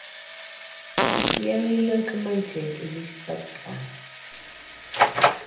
It is the only locomotive in this sub-class.